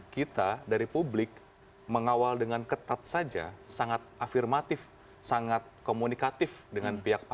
kita dari publik mengawal dengan ketat saja sangat afirmatif sangat komunikatif dengan pihak pemerintah